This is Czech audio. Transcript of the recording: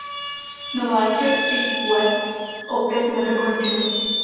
Nováček Piquet opět nedokončil.